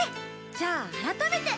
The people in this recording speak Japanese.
じゃあ改めて。